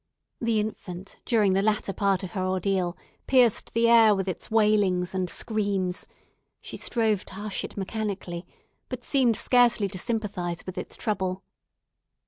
The infant, during the latter portion of her ordeal, pierced the air with its wailings and screams; she strove to hush it mechanically, but seemed scarcely to sympathise with its trouble.